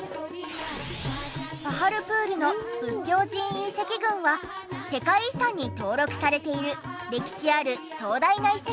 パハルプールの仏教寺院遺跡群は世界遺産に登録されている歴史ある壮大な遺跡。